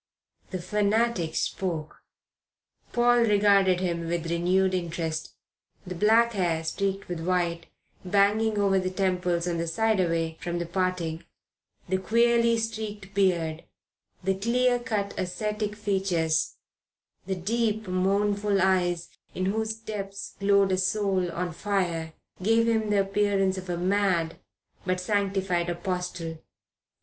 The fanatic spoke. Paul regarded him with renewed interest. The black hair streaked with white, banging over the temples on the side away from the parting, the queerly streaked beard, the clear cut ascetic features, the deep, mournful eyes in whose depths glowed a soul on fire, gave him the appearance of a mad but sanctified apostle.